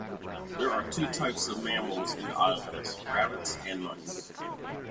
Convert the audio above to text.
There are two types of mammals in the islands: rabbits and mice.